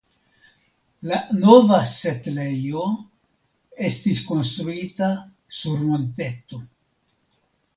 La nova setlejo estis konstruita sur monteto.